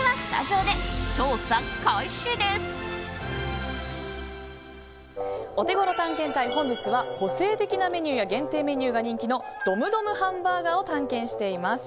オテゴロ探検隊本日は個性的なメニューや限定メニューが人気のドムドムハンバーガーを探検しています。